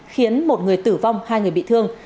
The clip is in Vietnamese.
khiến một người tử vong hai người bị thương